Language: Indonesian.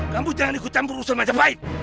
kamu jangan ikut campur urusan majapahit